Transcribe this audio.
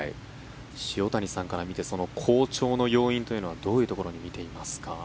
塩谷さんから見て好調の要因というのはどのようなところに見ていますか？